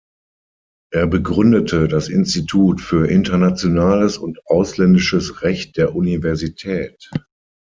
Er begründete das Institut für Internationales und Ausländisches Recht der Universität.